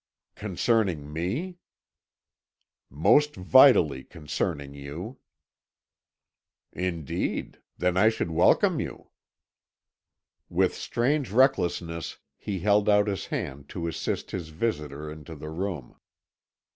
"Concerning me?" "Most vitally concerning you." "Indeed. Then I should welcome you." With strange recklessness he held out his hand to assist his visitor into the room.